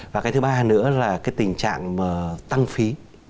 và cái thứ ba nữa là cái tình trạng tăng phí